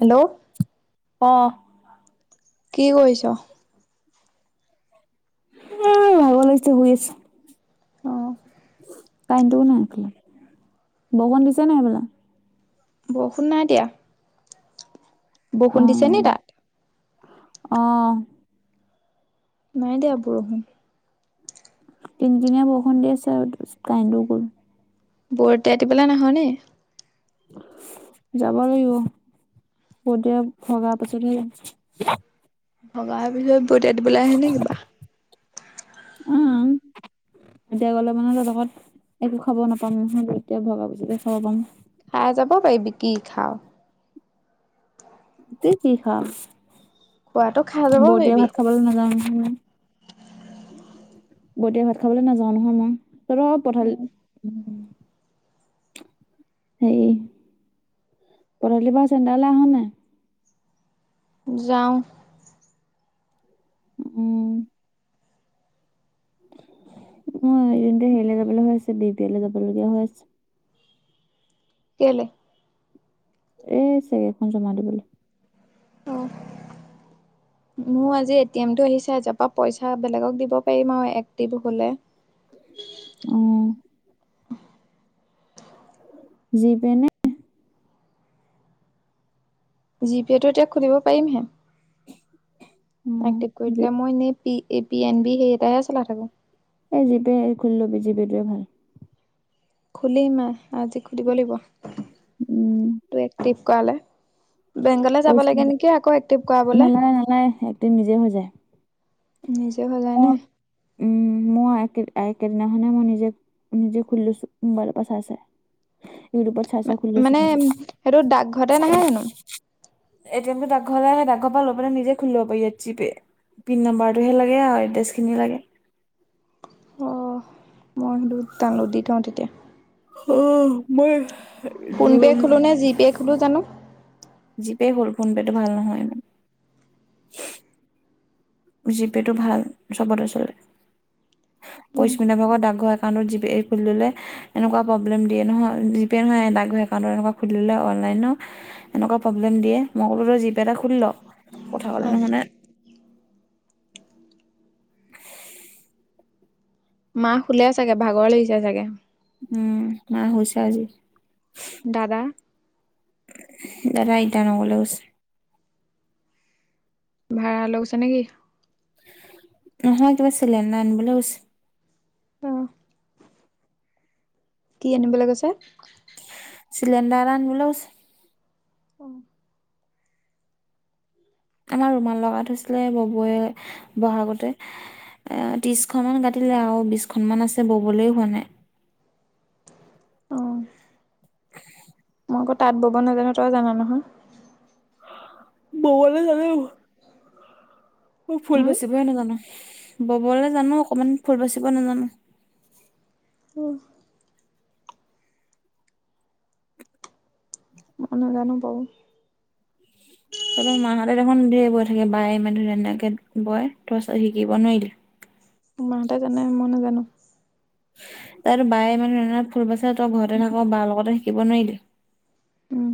Hello? অ'। কি কৰিছ? [unintelligible] ভাগৰ লাগিছে, শুই আছোঁ। অঁ। কাৰেণ্টো নাই এইফালে, বৰষুণ দিছে নে নাই সেইফালে? বৰষুণ নাই দিয়া? বৰষুণ দিছে নি অ' তাত? অ'! নাই দিয়া বৰষুণ। কিংকিনীয়া বৰষুণ দি আছে আৰু কাৰেন্টো গ'ল। বৰতে আতি পেলাই নহয়নে? যাব লাগিব, [unintelligible] ভগা পিছতহে, যাম। ভগাৰ পিছত, [unintelligible] দিবলৈ আহে নে কিবা? উম, [unintelligible] এতিয়া গ'লে মানে তহঁতৰ ঘৰত একো খাব নাপাম নহয়, তেতিয়া ভগা পইছাতে খাব পাম। খায় যাব পাৰিবি, কি খাওঁঅ। কি কি খাওঁ? খোৱাটো খাই যাব বৰ দিয়া পাৰিবি। ভাত খাবলৈ নাজাওঁ, নহয় মই। গোটেই ভাত খাবলৈ নাযাওঁ নহয় মই, তহঁতৰ ঘৰত পঠালি উম। সেৰি, গধুলিৰ পৰা চেণ্টাৰলৈ আহ নাই? যাওঁ। উম! মই এনেতে, সেৰিলৈ যাবলৈ হৈ আছে। [unintelligible] যাব লগীয়া হৈ আছে। কেলে? এ, চেক এখন জমা দিবলে। অ'! মোৰ আজি এ টি এমটো আহিছে। য'ৰ পৰা পইচা বেলেগক দিব পাৰিম আৰু এক্টিভ হ'লে। উম! জী-পে নে? জী-পেটো এতিয়া, খুলিব পাৰিমহে, উম এক্টিভ কৰি জি- দিলে, মই এনেই প এ পি এন বি সেই এটাহে চলাই থাকোঁ। এ, জী-পে খুলি ল'বি? জী-পে টোৱে ভাল! খুলিমে, আজি খুলিব লাগিব, উম তো এক্টিভ কৰালে। বেংকলে যাব লাগে পইচা নেকি, আকৌ এক্টিভ কৰাবলে? নালাগে নালাগে একদিন নিজে হৈ যায় নিজে বজায় অ নে? উম। মই একে একেদিনাখনে মই নিজে - নিজে খুলি লৈছো মোবাইলৰ পৰা চাই - চাই। ইউৰোপৰ চাই চাই খুলিছে মানে সেইটো ডাকঘৰতে নাহে তেওঁলোক [inaudible] জানো এ টি এমটো ডাকঘৰ পৰা সেই ডাকঘৰৰ পৰা লৈ পেলাই নিজে খুলি লব পাৰি ইয়াত জি পে। পিন নাম্বাৰটোহে লাগে আৰু এড্ৰেছখিনি লাগে। অ মই সেইটো ডাউনলোড দি থওঁ তেতিয়া। অ মই ফোন পে' খোলো নে জি পে' খোলো জানো [inaudible] জি পে' হ'ল ফোন পে'টো ভাল নহয় ইমান। জি পে টো ভাল, চবতে চলে। পৰিস্মিতা ভাগত ডাকঘৰ একাউণ্টত জি পে খুলি ললে। এনেকুৱা প্ৰব্লেম দিয়ে নহয়, জি পে নহয় এ ডাকঘৰ একাউনটত এনেকুৱা খুলি ললে অনলাইনত। এনেকুৱা প্ৰব্লেম দিয়ে, মই কলো তই জিপে এটা খুলি ল, কথা অ কলে নুশুনে। [inaudible] মা শুলে চাগে? ভাগৰ লাগিছে চাগে? উম, মা শুইছে আজি। দাদা? দাৰ ইটানগৰলৈ গৈছে। ভাড়া লৈ গৈছে নেকি? নহয় কিবা চিলিণ্ডাৰ আনিবলৈ গৈছে। অ। কি আনিবলৈ গৈছে? চিলিণ্ডাৰ এটা আনিবলৈ গৈছে। অ। আমাৰ ৰুমাল লগা থৈছিলে ববয়ে বহাগতে। এ ত্ৰিছখনমান কাটিলে আৰু বিছখনমান আছে ববলৈও হোৱা নাই। অ। মই আকৌ তাঁত বব নাজানো, তই জানা নহয়? ববলৈ জানো। মোৰ ফুল উম বাচিবহে নাজানো, ববলৈ জানো অকমান ফুল বাচিব নাজানো। উম। মই নাজানো বব। উ [inaudible] তহতৰ মাহঁতে দেখোন ঢেৰ বয় থাকে, বায়ে ইমান ধুনীয়া - ধুনীয়াকে বয়, তই পিছত শিকিব নোৱাৰিলি? মাহঁতে জানে, মই নাজানো। তাৰ বায়ে ইমান ধুনীয়া ফুল বাছে তই ঘৰতে থাক বাৰ লগতে শিকিব নোৱাৰিলি? উম,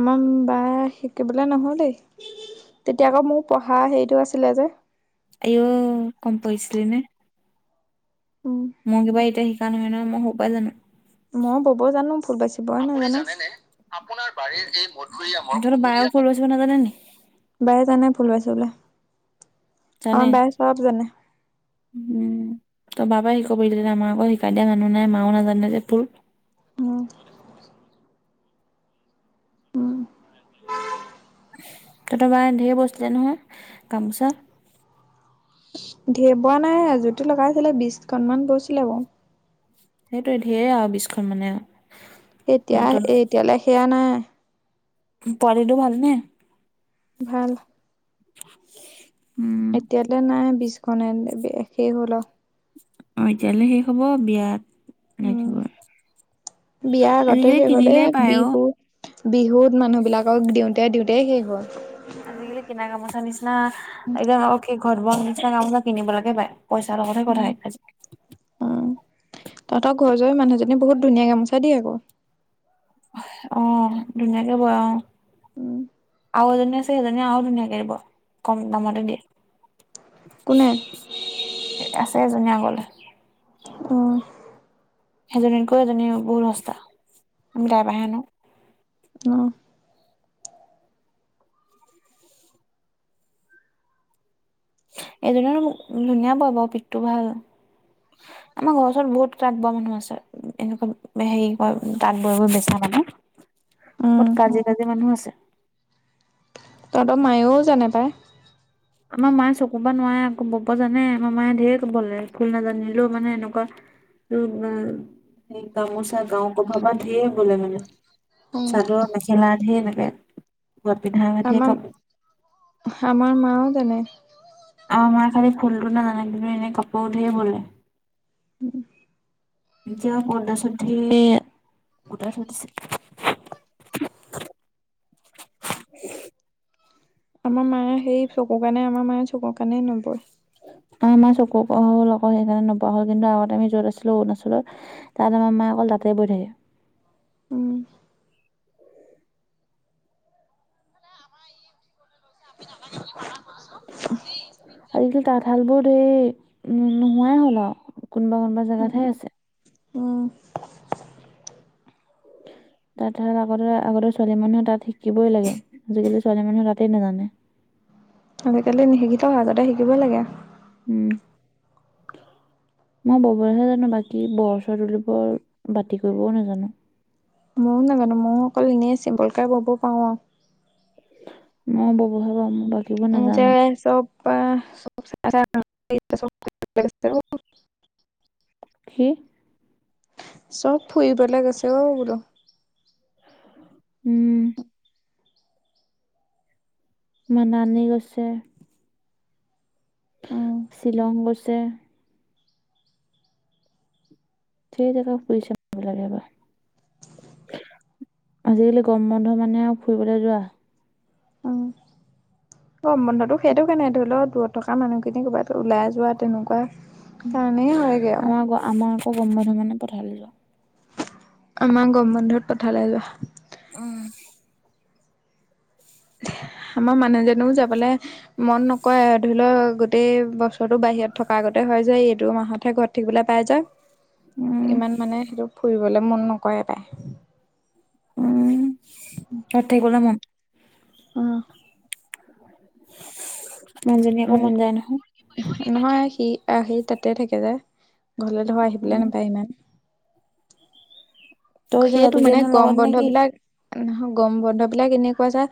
আমাৰ বায় শিকিবলৈ নহল দেই। তেতিয়া আকৌ মোৰ পঢ়া হেৰিটো আছিলে যে। আই অ, কম পঢ়িছিলি নে? উম। মই কিবা এতিয়া শিকা নহয় নহয়, মই সৰুৰ পৰাই জানো। মই ব'ব জানো, ফুল বাচিবই নাজানো। আপোনাৰ বাৰীৰ এই মধুৰীআমৰ তহঁতৰ বায়েও কুমলীয়া ফুল বাচিব নাজানে নি পাত বায়ে জানে ফুল বাছিবলৈ, জানে আমাৰ বায়ে চব জানে। উম, তই বা পৰাই শিকিব পাৰিবি দে, মাকো শিকাই দিয়া মানুহ নাই, মাও নাজানে যে তোৰ? অ উম ট ট কাৰণে ধেৰ বৈছিলে নহয় গিমোচা ঢেৰ বোৱা নাই এজুতো লগাইছিলে বিশখনমান বৈছিলে বাউ সেইটোৱে ঢেৰ আও বিছখন মানে আ এতিয়া এতিয়ালৈ সেয়া নাই হিতাৰিটো ভাল নে ভাল উম এতিয়ালে নাই বিশখন সেই বে শেষে হ'ল আউ অঁ এতিয়ালে শেষ হ'ব বিয়াত উম লাগিবই বিয়া আগতে আজিকালি শেষ হলে কিনিলেই পায় অ বিহু বিহুত মানুহ বিলাকক দিওঁতে দিওঁতেই শেষ হল আজিকালি কিনা গমোচা নিচিনা একদম অ কে ঘৰত বোৱা নিচিনা গামোচা কিনিবলেকে পাই পইচাৰ লগতহে কথা আজি উ তহঁতৰ ঘৰ য মানুহজনী বহুত ধুনীয়া গামোচা দিয়ে আক অ ধুনীয়াকে বই অ উম আউ এজনী আছে সেইজনীয়ে আউ ধুনীয়াকে দিব কম দামতে দিয়ে কোনে আছে এজনী আগলে উম সেইজনীকৈ এইজনী বহুত সস্তা আমি তাৰপাহে আনো উম এইজনিয়ে নো মোক ধুনীয়া বয় বাও পিঠটো ভাল আমাৰ ঘৰ ওচৰত বহুত তাত বোৱা মানুহ আছে এনেকুৱা হেৰি কয় তাঁত বৈবৈ বেচা মানে বত উম কাজি কাজি মানুহ আছে তহঁতৰ মায়েও জানে পায় আমাৰ মায়ে চকু পা নোৱাই আক বব জানে আমাৰ মায়ে ঢেৰ বলে ফুল নাজানিলেও মানে এনেকুৱা উম উম সেই গামোচা গাও কভাৰ পা ধেই বলে মানে চাদৰ মেখেলা ধেই এনেকে ঘত পিন্ধা মতিয়ে আমাৰ কাপোৰ আমাৰ মাও জানে আমা মাই খালি ফুলটো নাজানে কিন্তু এনে কাপোৰ ধেই বলে এতিয়া কণ্ডাছত ধে গোটাই থৈ দিছে [unintelligible] আমাৰ মায়ে সেই চকুৰ কাণে আমাৰ মায়ে চকুুৰ কাণে নবয় আমাৰ চকু ক হল অক সেইকাৰণে নবোৱা হ'ল কিন্তু আগতে আমি যত আছিলো অৰুণাচলত তাত আমাৰ মাই অকল তাতে বৈ থাকে উম আজিকালি তাঁতশাল বোৰ ধেৰ নো নোহোৱাই হ'ল আউ কোনবা কোনবা জেগাতহে আছে অ তাত ধৰা আগতে আগৰ ছোৱালী মানুহে তাত শিকিবই লাগে আজিকালি ছোৱালী মানুহে তাতেই নাজানে আজিকালি নিশিকিলো হয় আগতে শিকিবই লাগে উম মই ববলৈহে জানো বাকী বৰ চৰ তুলিবোৰ বাতি কৰিবও নাজানো ময়ো নাজানো ময়ো অকল এনেই চিম্বলকে ব'ব পাৰো আৰু। মই বাবে পাৰো অকল। উজ চে চা [unintelligible] কি? চব ফুৰিব ল গৈছে অ বোলো উম মানানি গৈছে। উম শ্বিলং গৈছে। গোটেই কেইটা চুইছ অফ মোবাইল সিহঁতৰ। আজিকালি গৰম বন্ধ মানে আৰু ফুৰিবলৈ যোৱা। অ বন্ধতটো সেইটো কাৰণে, ধৰি ল দূৰত থকা মানুহখিনি ক'ৰবাত ওলাই যোৱা তেনেকুৱা কাৰণেই হয় গৈ আও আমাৰ আমাৰ আক' গৰম বন্ধু মানে পঠালে যোৱা। আমাৰ গৰম বন্ধত পঠাৰলৈ যোৱা। উম আমাৰ মানুহজনেও যাবলে মন নকৰে ধৰি লও গোটেই বছৰটো বাহিৰত থকা আগতে হয় যে এইটো মাহতহে ঘৰত থাকিবলে পাই যাই, উম ইমান মানে সেইটো ফুৰিবলৈ মন নকৰে পায়। উম, ঘৰত থাকিবলে মন। উম মানুহজনী আকৌ মানে মন যায় নহয়। নহয় সি আহ সি তাতে থাকে যে, ঘৰলে ধৰ আহিবলৈ উম নাপায় ইমান। তই এতিয়া সেইটো যাবিগে মানে নে গৰম লগত নে বন্ধ কি বিলাক নহয় গম বন্ধ বিলাক এনেকুৱা যে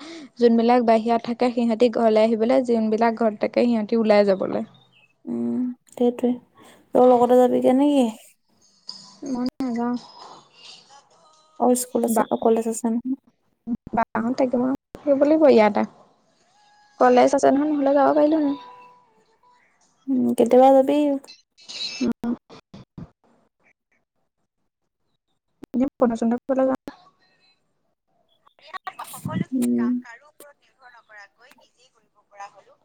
যোনবিলাক বাহিৰত থাকে, সিহঁতি ঘৰলৈ আহিবলে, যোনবিলাক ঘৰত থাকে, সিহঁতি ওলাই যাবলে। উম, সেইটোৱে। তই লগতে যাবিগে নে কি? মই নেযাওঁ। অ স্কুল আছে অ কলেজ আছে নহয়। বাপাহত থাকিব। সেই বুলি কই ইয়াত আহ কলেজ আছে নহয় নহ'লে যাব পাৰিলো হয়। উ কেতিয়াবা যাবি উম। নচন্দল য [unintelligible] উম কাৰ ওৰত নিৰ্ভৰ নকৰাকৈ নিজেই কৰিব পৰা হ'লো।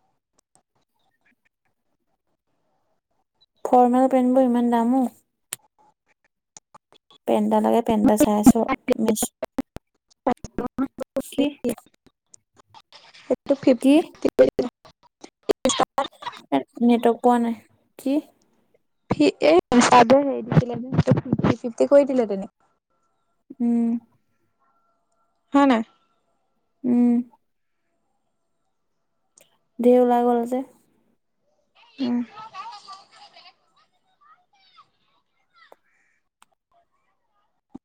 ফৰ্মেল পেণ্টবোৰ ইমান দামো ঔ পেণ্ট এটা লাগে, পেণ্ট এটা চাই আছো, মিছ'ত। কি? সেইটো কি? [unintelligible] নেটৱৰ্ক পোৱা নাই, কি? এই হে [unintelligible] ফ ফিফটি কৰি দিলে তেনেক উম হয় নাই? উম। ঢেৰ ওলাই গল যে উম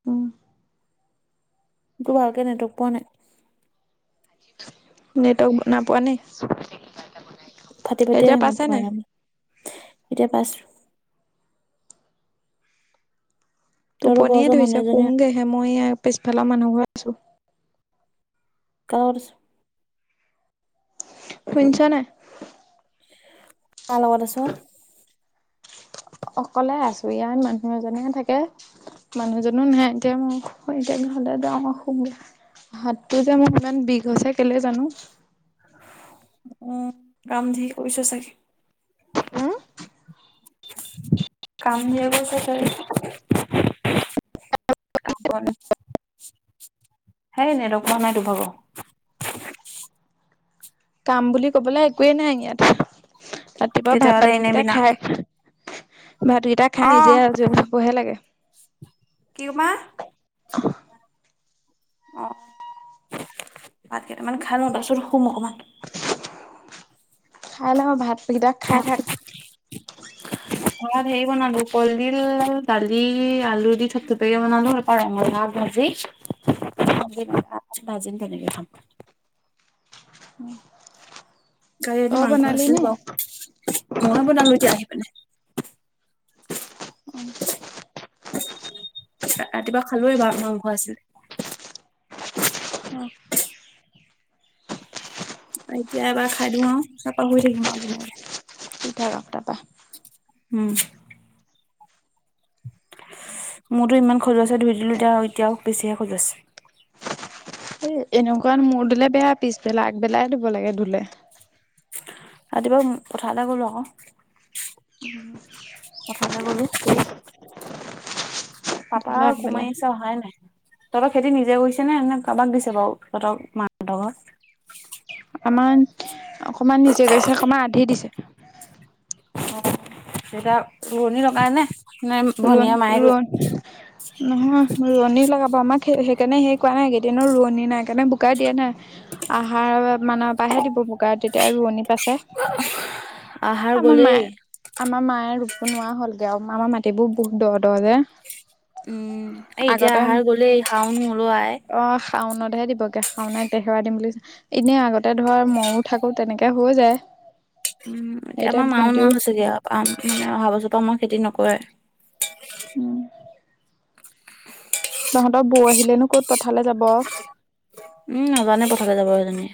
উম। তোৰ ভালকে নেটৱৰ্ক পোৱা নাই নেটৱৰ্ক, নাপোৱা নে?। ফাটি-ফাটি, এতিয়া আহে পাইছে মাতটো নাই মাজে-মাজে, এতিয়া পাইছোঁ। তহঁতৰ ঘৰৰ টোপনিয়ে ওচৰৰ মানুহ ধইছে এজনীয়ে শুমগেহে মই এ পিছফালৰ মানুহ ঘৰত আছো কাৰ লগত আছ শুনছা নাই কাৰ লগত আছ'?। অকলে আছো ইয়াত মানুহ এজনে থাকে মানুহজনো নাই এতিয়া মই হো এতিয়া ঘৰলে যাওঁ আউ হুমগে হাতটো যে মই ইমান বিষ হৈছে কেলে জানো উম, কাম ঢেই কৰিছ চাগে। কাম ধেই কৈছ তই কাম বন সেই নেটৱক পোৱা নাই তো ভাগ কাম বুলি ক'বলে একোৱেই নাই ইয়াত ৰাতিপুৱা ভাত তেতিয়াহ'লে পানী এনে কেইটা বিনা খাই ভাতকেইটা খাই অ নিজে আজৰি হবহে লাগে কি মা?। অ', ভাত কেইটামান খাই লও, তাছত শুম অকমান। খাই ল ভাত অ [unintelligible] [unintelligible] ভাত হেৰি বনালো কলডিল দালি আলু দি থপথুপিয়াকে বনালো আৰু ৰঙালাও ভাজি ভাজিম তেনেকে খাম [inaudible] উম কালি ৰাতি মাংস আছিলে বাও মই বনালো এতিয়া আহি পিনে ৰা ৰাতিপুৱা খালো এবাৰ মাংস আছিলে অ এতিয়া এবাৰ খাই দিও আও তাৰাপা শই থাকিম আউ ধুনীয়াকে শুই থাক আউ তাপা উম মোৰতো ইমান খজোৱাছে ধুই দিলো এতিয়া এতিয়াও বেছিহে খজুৱাছে এ এনেকুৱা মোৰ ধুলে বেয়া পিছবেলা আগবেলাই ধুব লাগে ধুলে ৰাতিপুৱা উম পথাৰলে গলো আক পথাৰলে গলো পাপা ধুলে আগবেলাই কোমাইছ ছে অহাই নাই তহঁতৰ খেতি নিজে গৈছে নে নে কাবাক দিছে বাউ ততৰ মাহহঁতৰ আমান অকমান নিজে কৈছে অকমান আধি দিছে অ তেতয়া ৰুৱনী লগাই নে নে ৰোৱন ভনীয়ে মায়ে ৰুৱে? ৰোৱন নহয় ৰোৱনী লগাব আমা কে সেইকাৰণে সেই কৰনে সেইকাৰণে বোকাই দিয়া নাই আহাৰ মানে পাইহে দিব বোকা তেতিয়া ৰোৱনি পাইছে আহাৰ আমাৰ গ'লেই মায়ে, আমাৰ মায়ে ৰুব নুৱা হ'লগে আউ। আমাৰ মাই টি বো বহুত দ', দ', যে। উম, এই এতিয়া আহাৰ গ'লে, শাওন হল অ আই অহ, শাওনতহে দিবগে, শাওনৰ এক তাৰিখৰ পৰা দিম বুলি কৈছে। এনেই আগতে ধৰ মওঁ থাকো তেনেকে হৈ যায়। উম, এতিয়া আমাৰ মাও নোৱাৰা হৈছেগে আৰু। আম্ মানে অহা বছৰপৰা আমাৰ খেতি নকৰে। ওঁ। তহঁতৰ বৌ আহিলেনো ক'ত পঠালে যাব। উম, নাজানে পথাৰলে যাব সেইজনীয়ে।